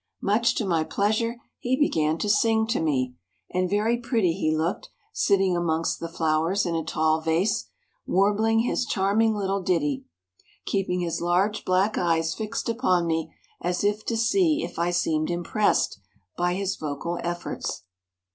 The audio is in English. Much to my pleasure he began to sing to me, and very pretty he looked, sitting amongst the flowers in a tall vase, warbling his charming little ditty, keeping his large black eyes fixed upon me as if to see if I seemed impressed by his vocal efforts.